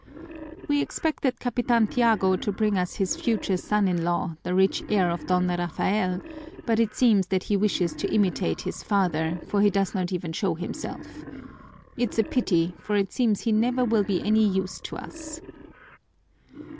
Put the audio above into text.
"We expected Capitan Tiago to bring us his future son in law, the rich heir of Don Rafael, but it seems that he wishes to imitate his father, for he does not even show himself. It's a pity, for it seems he never will be any use to us.